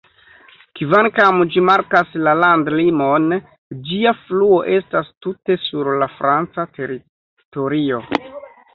Kvankam ĝi markas la landlimon, ĝia fluo estas tute sur la franca teritorio.